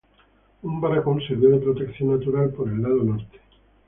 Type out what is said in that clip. Un barranco servía de protección natural por el lado norte.